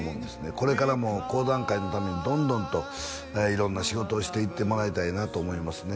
これからも講談界のためにどんどんと色んな仕事をしていってもらいたいなと思いますね